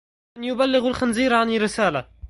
من يبلغ الخنزير عني رسالة